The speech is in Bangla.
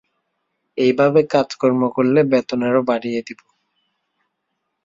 এইভাবে কাজকর্ম করলে বেতন আরো বাড়িয়ে দিব।